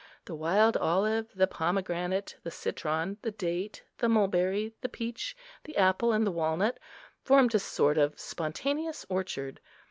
The wild olive, the pomegranate, the citron, the date, the mulberry, the peach, the apple, and the walnut, formed a sort of spontaneous orchard.